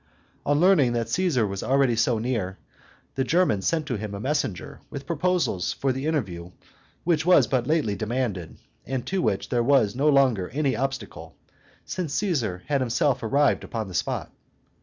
On learning that Caesar was already so near, the German sent to him a messenger with proposals for the interview which was but lately demanded, and to which there was no longer any obstacle, since Caesar had himself arrived upon the spot.